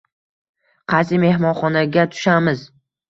Qaysi mehmonxonaga tushamiz?